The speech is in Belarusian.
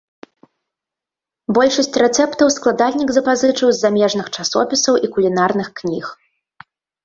Большасць рэцэптаў складальнік запазычыў з замежных часопісаў і кулінарных кніг.